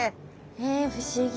へえ不思議。